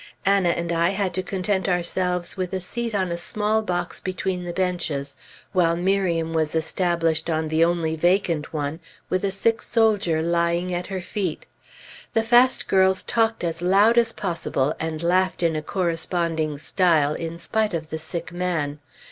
Anna and I had to content ourselves with a seat on a small box between the benches, while Miriam was established on the only vacant one, with a sick soldier lying at her feet. The fast girls talked as loud as possible and laughed in a corresponding style in spite of the sick man.